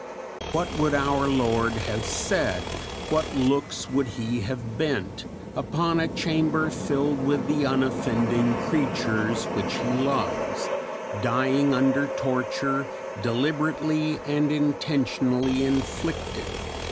What would our Lord have said, what looks would He have bent, upon a chamber filled with "the unoffending creatures which He loves," dying under torture deliberately and intentionally inflicted?